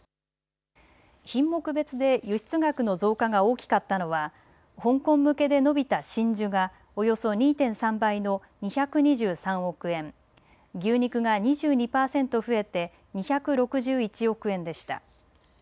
品目別で輸出額の増加が大きかったのは香港向けで伸びた真珠がおよそ２．３倍の２２３億円、牛肉が２２％増えて２６１億円でした。